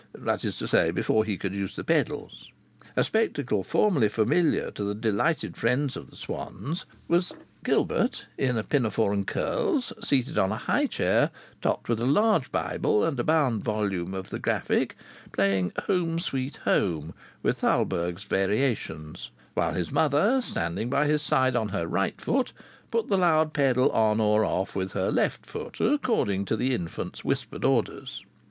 That is to say, before he could use the pedals. A spectacle formerly familiar to the delighted friends of the Swanns was Gilbert, in a pinafore and curls, seated on a high chair topped with a large Bible and a bound volume of the Graphic, playing "Home Sweet Home" with Thalberg's variations, while his mother, standing by his side on her right foot, put the loud pedal on or off with her left foot according to the infant's whispered orders.